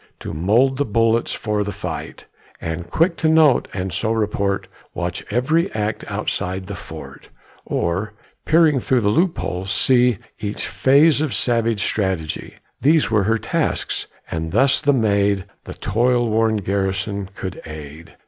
To mould the bullets for the fight, And, quick to note and so report, Watch every act outside the fort; Or, peering through the loopholes, see Each phase of savage strategy These were her tasks, and thus the maid The toil worn garrison could aid.